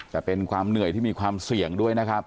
แต่เป็นความเหนื่อยที่มีความเสี่ยงด้วยนะครับ